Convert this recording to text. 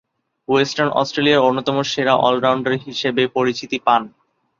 Western অস্ট্রেলিয়ার অন্যতম সেরা অল-রাউন্ডার হিসেবে পরিচিতি পান।